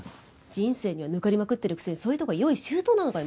人生にはぬかりまくってるくせにそういうとこは用意周到なのかよ